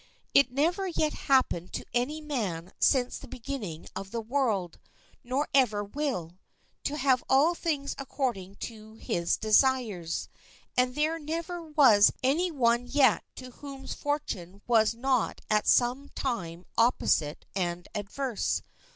It never yet happened to any man since the beginning of the world, nor ever will, to have all things according to his desires. And there never was any one yet to whom fortune was not at some time opposite and adverse.